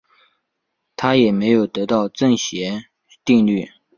他也没有得到正弦定律。